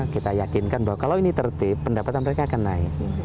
kita yakinkan bahwa kalau ini tertib pendapatan mereka akan naik